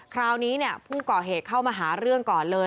คราวนี้ผู้ก่อเหตุเข้ามาหาเรื่องก่อนเลย